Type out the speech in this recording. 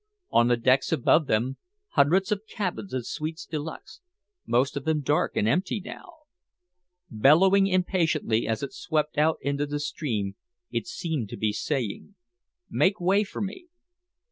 On the decks above them, hundreds of cabins and suites de luxe most of them dark and empty now. Bellowing impatiently as it swept out into the stream, it seemed to be saying: "Make way for me.